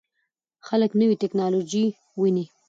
خلک نوې ټکنالوژي ویني.